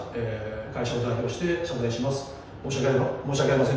会社を代表して謝罪します。